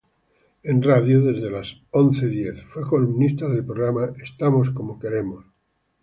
En radio, desde La Once Diez, fue columnista del programa "Estamos como queremos".